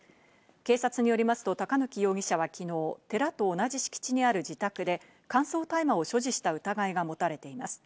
警察によりますと高貫容疑者はきのう、寺と同じ敷地にある自宅で乾燥大麻を所持した疑いが持たれています。